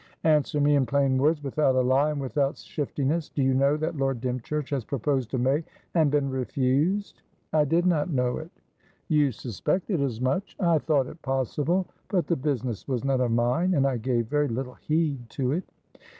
"Answer me in plain words, without a lie, and without shiftiness. Do you know that Lord Dymchurch has proposed to May, and been refused?" "I did not know it." "You suspected as much." "I thought it possible. But the business was none of mine, and I gave very little heed to it."